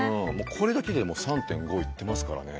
これだけでもう３．５いってますからね。